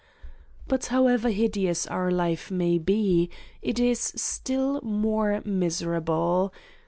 But however hideous our life may be, it is still more miserable.